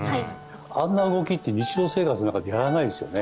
あんな動きって日常生活の中でやらないですよね